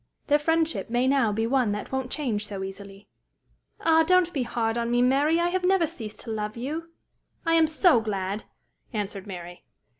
Their friendship may now be one that won't change so easily." "Ah! don't be hard on me, Mary. I have never ceased to love you." "I am so glad!" answered Mary.